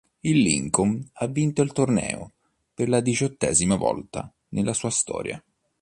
Il Lincoln ha vinto il torneo per la diciottesima volta nella sua storia.